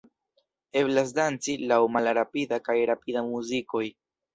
Eblas danci laŭ malrapida kaj rapida muzikoj.